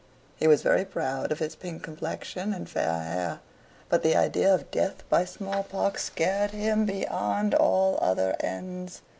He was very proud of his pink complexion and fair hair but the idea of death by small pox scared him beyond all other ends.